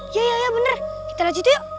iya iya bener kita lanjut yuk